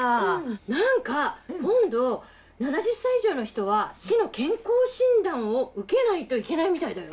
何か今度７０歳以上の人は市の健康診断を受けないといけないみたいだよ。